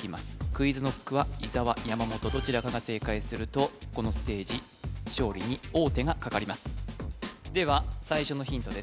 ＱｕｉｚＫｎｏｃｋは伊沢山本どちらかが正解するとこのステージ勝利に王手がかかりますでは最初のヒントです